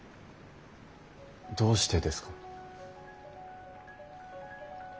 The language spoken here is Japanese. どうしてですか？